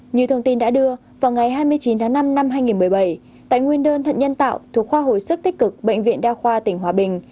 như thông tin đã đưa vào ngày hai mươi chín tháng năm năm hai nghìn một mươi bảy tại nguyên đơn thận nhân tạo thuộc khoa hồi sức tích cực bệnh viện đa khoa tỉnh hòa bình